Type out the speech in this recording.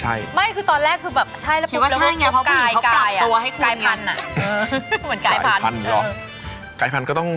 จะไม่ค่อยได้เริ่มสตาร์ทเลยด้วยกัน